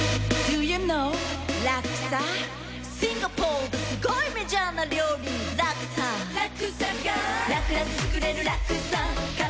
シンガポールですごいメジャーな料理ラクサラクサｇｉｒｌラクラク